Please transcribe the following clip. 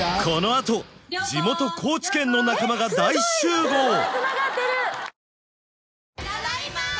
このあと地元高知県の仲間が大集合ただいま。